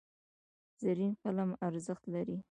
زرین قلم ارزښت لري.